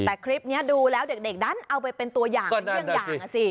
แต่คลิปเนี้ยดูแล้วเด็กโดนเอาไปเป็นตัวยากจากเรื่องด่างล่ะสิ